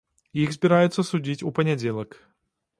Іх збіраюцца судзіць у панядзелак.